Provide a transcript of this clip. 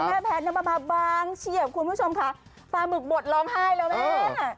แม่แพทย์น้ำมาบางเฉียบคุณผู้ชมค่ะปลาหมึกบดล้อมไห้แล้วแม่แม่